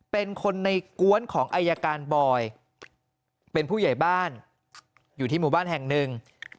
เป็นคนในกวนของอายการบอยเป็นผู้ใหญ่บ้านอยู่ที่หมู่บ้านแห่งหนึ่ง